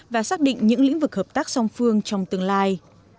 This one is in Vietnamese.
và xác định những lĩnh vực hợp tác song phương trong tương lai